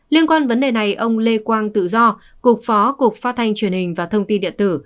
liên quan vấn đề này ông lê quang tự do cục phó cục phát thanh truyền hình và thông tin điện tử